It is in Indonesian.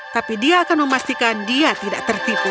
tapi dia akan memastikan dia tidak tertipu